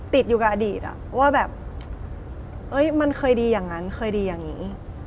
ติดอยู่กับอดีตว่าแบบมันเคยดีอย่างนั้นเคยดีอย่างนี้